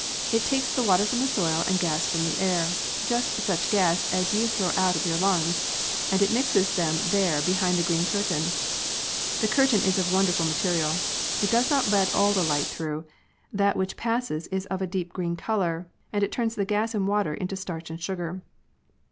It takes the water from the soil and gas from the air, just such gas as you throw out of your lungs, and it mixes them there behind the green cur tain. That curtain is of won derful material. It does not let all the light through; that which passes is of a deep green color, and it turns the gas and water into starch and sugar.